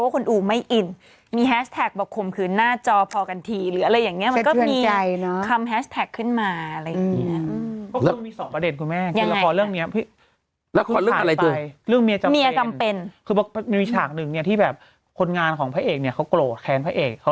ก็มีมาส่งอย่างเงี้ยไหลมาส่งคนแก่ดูอ่ะ